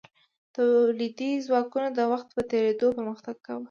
تولیدي ځواکونو د وخت په تیریدو پرمختګ کاوه.